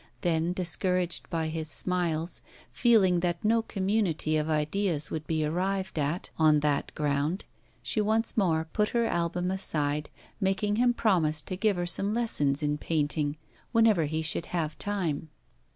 Then, discouraged by his smiles, feeling that no community of ideas would be arrived at on that ground, she once more put her album aside, making him promise to give her some lessons in painting whenever he should have time.